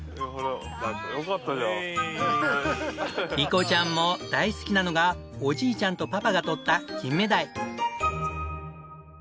莉子ちゃんも大好きなのがおじいちゃんとパパが獲った金目鯛。